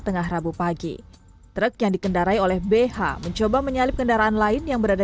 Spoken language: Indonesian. tengah rabu pagi truk yang dikendarai oleh bh mencoba menyalip kendaraan lain yang berada